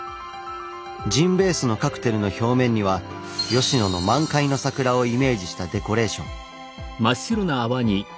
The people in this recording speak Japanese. ジンベースのカクテルの表面には吉野の満開の桜をイメージしたデコレーション。